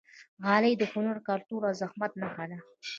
غالۍ د هنر، کلتور او زحمت نښه ده.